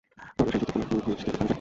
ধরো সে যদি কোনো ক্লু খুঁজতে দোকানে যায়?